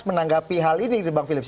menanggapi hal ini bang philips